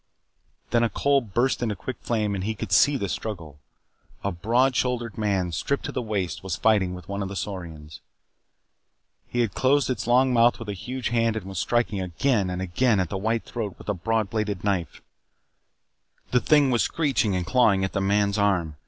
Then a coal burst into quick flame and he could see the struggle. A broad shouldered man, stripped to the waist, was fighting with one of the saurians. He had closed its long mouth with a huge hand and was striking again and again at the white throat with a broad bladed knife. The thing was screeching and clawing at the man's arm.